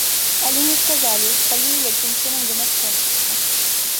Але не сказалі, калі і якім чынам яны скончацца.